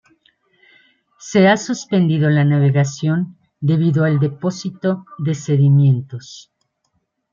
Se ha suspendido la navegación debido al depósito de sedimentos.